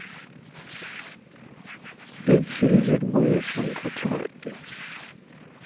এই সিরিজের বইয়ের সংখ্যা ছয়টি।